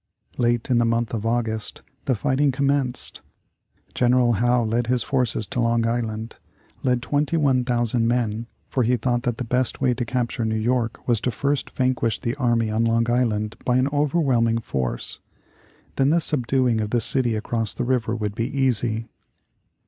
Late in the month of August the fighting commenced. General Howe led his forces to Long Island led 21,000 men, for he thought that the best way to capture New York was to first vanquish the army on Long Island by an overwhelming force. Then the subduing of the city across the river would be easy.